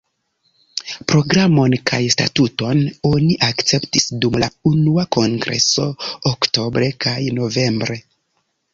Programon kaj statuton oni akceptis dum la unua kongreso oktobre kaj novembre.